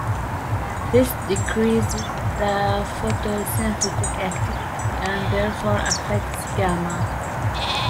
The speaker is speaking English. This decreases the photosynthetic activity and therefore affects gamma.